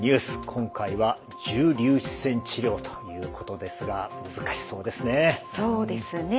今回は重粒子線治療ということですが難しそうですね。